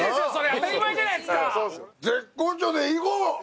当たり前じゃないですか。